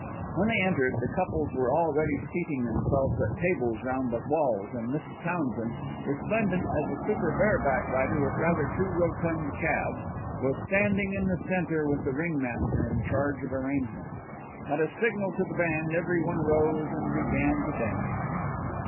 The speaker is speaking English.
When they entered the couples were already seating themselves at tables round the walls, and Mrs. Townsend, resplendent as a super bareback rider with rather too rotund calves, was standing in the centre with the ringmaster in charge of arrangements. At a signal to the band every one rose and began to dance.